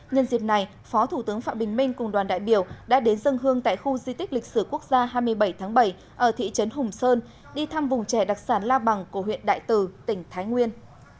nhân dịp này phó thủ tướng phạm bình minh cùng đoàn đại biểu đã đến dân hương tại khu di tích lịch sử quốc gia hai mươi bảy tháng bảy ở thị trấn hùng sơn đi thăm vùng trẻ đặc sản la bằng của huyện đại từ tỉnh thái nguyên